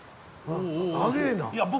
あげえな。